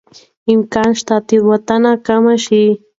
امکان شته تېروتنه کمه شي.